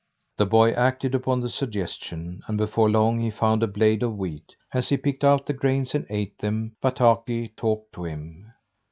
The boy acted upon the suggestion and before long he found a blade of wheat. As he picked out the grains and ate them, Bataki talked to him.